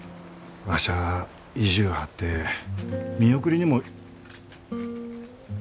わしゃあ意地ゅう張って見送りにも。